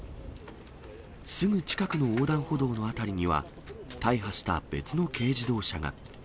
すぐ近くの横断歩道の辺りには、大破した別の軽自動車が。